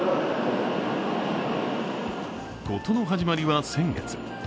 事の始まりは先月。